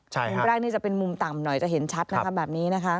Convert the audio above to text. มุมแรกนี่จะเป็นมุมต่ำหน่อยจะเห็นชัดนะคะแบบนี้นะคะ